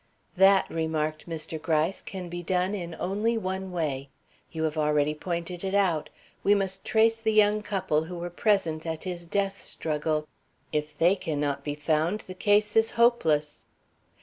"That," remarked Mr. Gryce, "can be done in only one way. You have already pointed it out. We must trace the young couple who were present at his death struggle. If they cannot be found the case is hopeless."